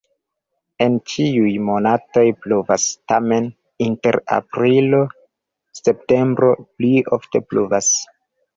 En ĉiuj monatoj pluvas, tamen inter aprilo-septembro pli ofte pluvas.